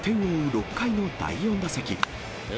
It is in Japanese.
６回の打４打席。